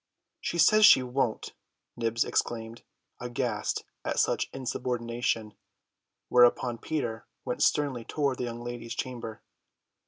"She says she won't!" Nibs exclaimed, aghast at such insubordination, whereupon Peter went sternly toward the young lady's chamber.